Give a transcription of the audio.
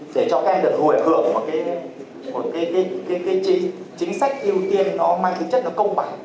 để cho các em được hồi hưởng vào chính sách ưu tiên nó mang tính chất công bằng